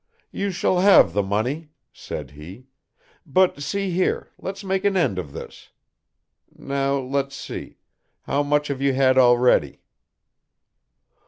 "You shall have the money," said he, "but see here, let's make an end of this. Now let's see. How much have you had already?"